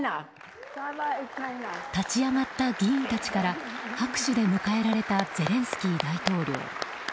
立ち上がった議員たちから拍手で迎えられたゼレンスキー大統領。